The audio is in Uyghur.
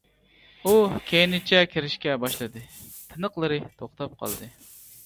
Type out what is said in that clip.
ئۇ كەينىچە كىرىشكە باشلىدى، تىنىقلىرى توختاپ قالدى.